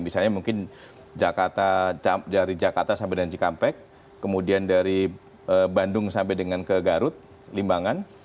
misalnya mungkin dari jakarta sampai dan cikampek kemudian dari bandung sampai dengan ke garut limbangan